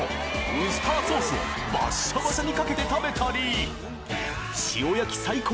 ウスターソースをバッシャバシャにかけて食べたり塩焼き最高！